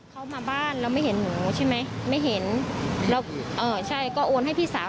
เขามาบ้านเราไม่เห็นหนูใช่ไหมไม่เห็นแล้วเอ่อใช่ก็โอนให้พี่สาว